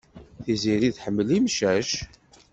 Tiziri tḥemmel imcac.